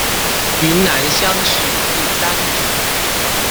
云南乡试第三名。